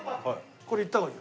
これいった方がいい。